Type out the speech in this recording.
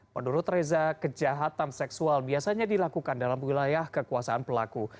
menurut reza kejahatan seksual biasanya dilakukan dalam wilayah kekuasaan pelaku